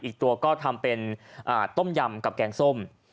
อีกตัวก็ทำเป็นต้มยำกับแกงส้ม